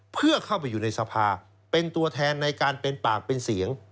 เพื่อเข้าไปอยู่ในสภาเป็นตัวแทนในการเป็นปากเป็นเสียง